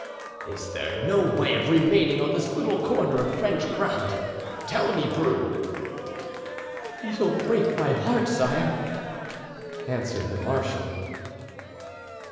Is there no way of remaining on this little corner of French ground—tell me, Brune!" "You'll break my heart, sire!" answered the marshal.